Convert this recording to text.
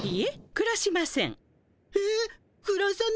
くらしません！